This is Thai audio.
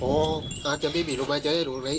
ถ้าหนูทำแบบนั้นพ่อจะไม่มีรับบายเจ้าให้หนูได้เอง